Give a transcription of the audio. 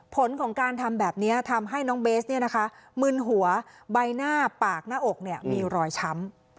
ผลของการทำแบบนี้ทำให้น้องเบสมึนหัวใบหน้าปากหน้าอกมีรอยช้ำ